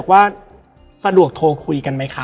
และวันนี้แขกรับเชิญที่จะมาเชิญที่เรา